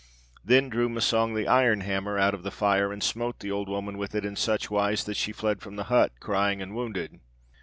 Then drew Massang the iron hammer out of the fire, and smote the old woman with it in such wise that she fled from the hut crying and wounded.